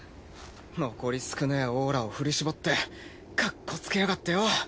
残り少ねえオーラを振り絞ってかっこつけやがってよ。